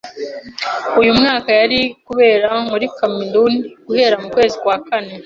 uyu mwaka yari kubera muri Cameroun guhera mu kwezi kwa kane.